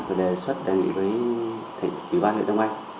và đề xuất đề nghị với ủy ban huyện đông anh